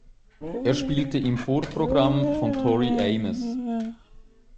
Er spielte im Vorprogramm von Tori Amos.